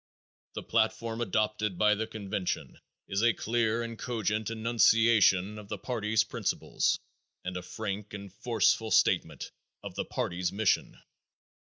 The platform adopted by the convention is a clear and cogent enunciation of the party's principles and a frank and forceful statement of the party's mission.